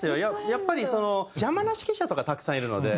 やっぱり邪魔な指揮者とかたくさんいるので。